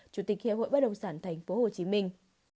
chủ tịch hiệp hội bất đồng sản thành phố hồ chí minh